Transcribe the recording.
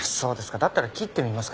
だったら切ってみますか？